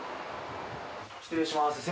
失礼します。